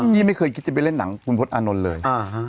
พี่ไม่เคยคิดจะไปเล่นหนังคุณพจน์อานนท์เลย